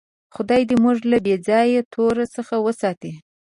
خدای دې موږ له بېځایه تور څخه وساتي.